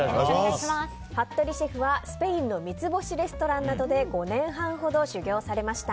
服部シェフはスペインの三つ星レストランなどで５年半ほど修業されました。